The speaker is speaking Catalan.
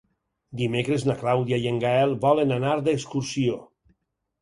Dimecres na Clàudia i en Gaël volen anar d'excursió.